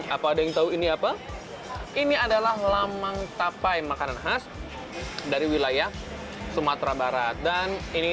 apa ada yang tahu ini apa ini adalah lamang tapai makanan khas dari wilayah sumatera barat dan ini